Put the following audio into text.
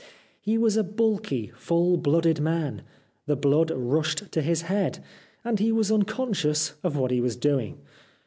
He was a bulky, full blooded man ; the blood rushed to his head, and he was unconscious of what he was doing.